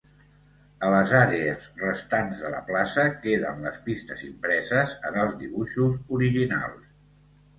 A les àrees restants de la placa queden les pistes impreses en els dibuixos originals.